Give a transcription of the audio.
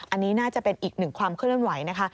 อันนี้น่าจะเป็นอีกหนึ่งความเคลื่อนไหวนะคะ